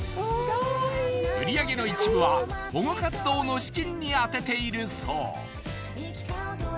売り上げの一部は保護活動の資金に充てているそう